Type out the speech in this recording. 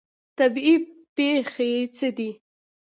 طبیعي پیښې څه دي؟